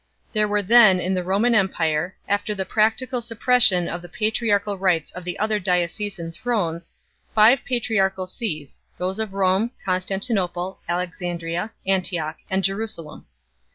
There were then in the Roman empire, after the practical sup pression of the patriarchal rights of the other diocesan thrones, five patriarchal sees, those of Rome, Constanti nople, Alexandria, Antioch, and Jerusalem.